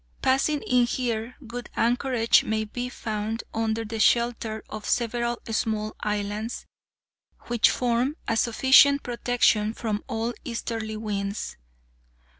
Passing in here, good anchorage may be found under the shelter of several small islands, which form a sufficient protection from all easterly winds.